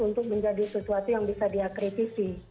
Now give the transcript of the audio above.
untuk menjadi situasi yang bisa dikritisi